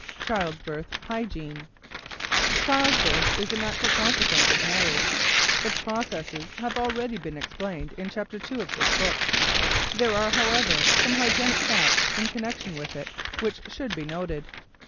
CHILDBIRTH HYGIENE Childbirth is the natural consequence of marriage. Its processes have already been explained in Chapter II of this book. There are, however, some hygienic facts in connection with it which should be noted.